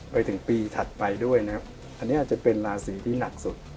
ไปถึงปีถัดไปด้วยนะครับอันนี้อาจจะเป็นราศีที่หนักสุด